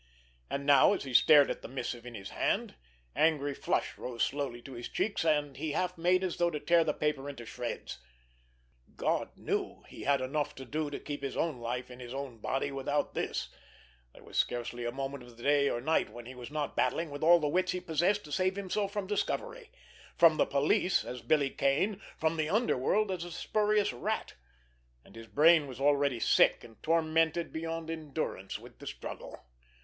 And now as he stared at the missive in his hand, angry flush rose slowly to his cheeks, and he half made as though to tear the paper into shreds. God knew, he had enough to do to keep his own life in his own body without this; there was scarcely a moment of the day or night when he was not battling with all the wits he possessed to save himself from discovery—from the police as Billy Kane, from the underworld as the spurious Rat—and his brain was already sick and tormented beyond endurance with the struggle.